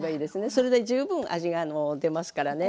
それで十分味が出ますからね。